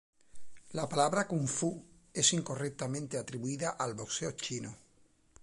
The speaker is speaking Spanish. La palabra Kung Fu es incorrectamente atribuida al Boxeo Chino.